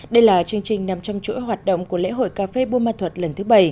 đây là chương trình nằm trong chuỗi hoạt động của lễ hội cà phê buôn ma thuật lần thứ bảy